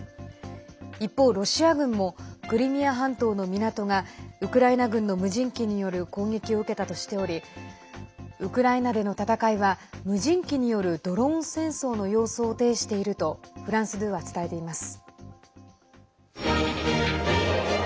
一方、ロシア軍もクリミア半島の港がウクライナ軍の無人機による攻撃を受けたとしておりウクライナでの戦いは無人機によるドローン戦争の様相を呈しているとフランス２は伝えています。